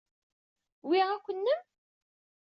Wi akk nnem?